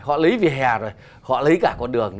họ lấy về hè rồi họ lấy cả con đường